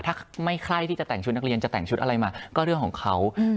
ถ้าไม่ใครที่จะแต่งชุดนักเรียนจะแต่งชุดอะไรมาก็เรื่องของเขา